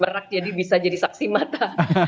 berak jadi bisa jadi saksi mata